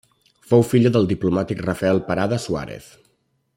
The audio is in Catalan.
Fou filla del diplomàtic Rafael Parada Suárez.